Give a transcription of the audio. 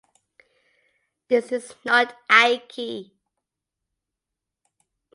This is not "aiki".